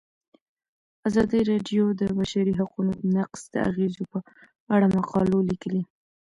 ازادي راډیو د د بشري حقونو نقض د اغیزو په اړه مقالو لیکلي.